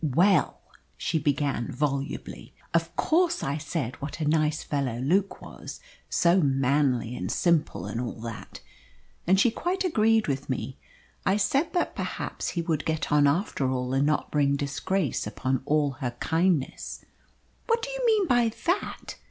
"WELL," she began volubly, "of course I said what a nice fellow Luke was, so manly and simple, and all that. And she quite agreed with me. I said that perhaps he would get on after all and not bring disgrace upon all her kindness." "What do you mean by THAT?"